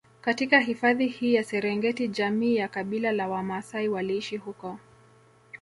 katika hifadhi hii ya Serengeti jamii ya Kabila la Wamaasai waliishi huko